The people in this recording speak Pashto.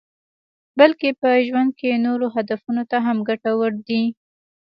بلکې په ژوند کې نورو هدفونو ته هم ګټور دي.